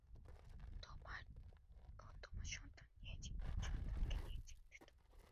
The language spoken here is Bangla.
আমি কেবল তোমার ও তোমার সন্তানকে নিয়ে চিন্তিত।